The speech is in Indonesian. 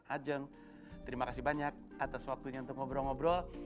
ajeng terima kasih banyak atas waktunya untuk ngobrol ngobrol